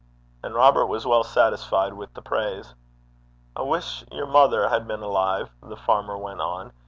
And Robert was well satisfied with the praise. 'I wish yer mother had been alive,' the farmer went on.